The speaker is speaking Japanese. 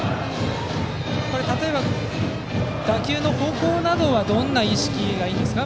例えば、打球の方向などはどんな意識がいいんですか。